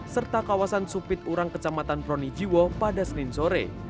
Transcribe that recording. serta kawasan supit urang kecamatan pronijiwo pada senin sore